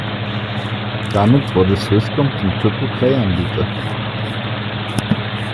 Damit wurde Swisscom zum Triple-Play-Anbieter.